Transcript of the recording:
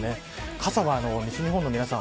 傘は西日本の皆さん